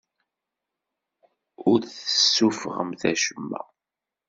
Ur d-tessuffɣemt acemma.